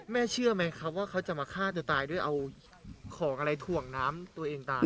เชื่อไหมครับว่าเขาจะมาฆ่าตัวตายด้วยเอาของอะไรถ่วงน้ำตัวเองตาย